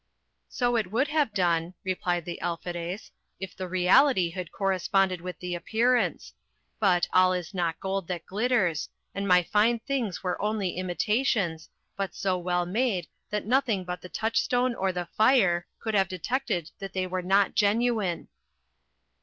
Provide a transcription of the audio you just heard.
So it would have done, replied the Alferez, if the reality had corresponded with the appearance; but "All is not gold that glitters," and my fine things were only imitations, but so well made that nothing but the touchstone or the fire could have detected that they were not genuine.